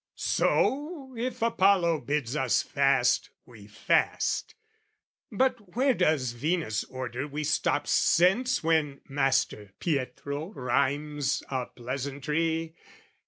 So, if Apollo bids us fast, we fast: But where does Venus order we stop sense When Master Pietro rhymes a pleasantry?